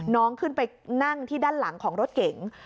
น้องขึ้นไปนั่งที่ด้านหลังของรถเก๋ง